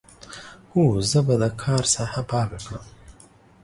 هو، زه به د کار ساحه پاک کړم.